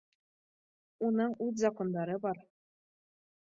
Уның уҙ закондары бар